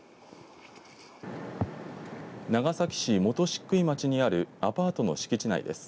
長崎市本石灰町にあるアパートの敷地内です。